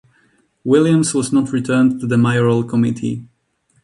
Williams was not returned to the mayoral committee.